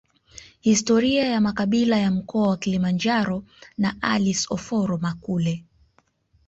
Historia ya makabila ya mkoa wa Kilimanjaro na Alice Oforo Makule